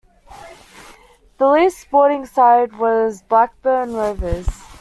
The least sporting side was Blackburn Rovers.